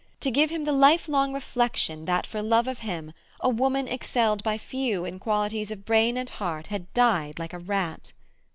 To give him the lifelong reflection that, for love of him, a woman excelled by few in qualities of brain and heart had died like a rat?